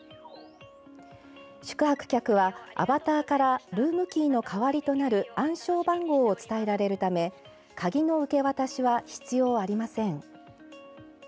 宿泊客はアバターからルームキーの代わりとなる暗証番号を伝えられるため鍵の受け渡しは必要ありません。